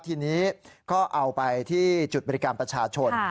ทีนี้ก็เอาไปที่จุดบริการประชาชน